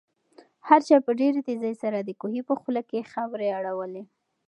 هر چا په ډېرې تېزۍ سره د کوهي په خوله کې خاورې اړولې.